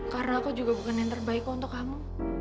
karena aku juga bukan yang terbaik untuk kamu